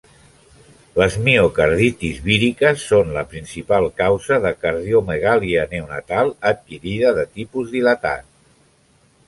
Les miocarditis víriques són la principal causa de cardiomegàlia neonatal adquirida de tipus dilatat.